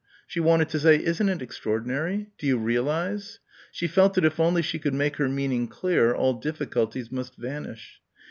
She wanted to say, "Isn't it extraordinary? Do you realise?" She felt that if only she could make her meaning clear all difficulties must vanish.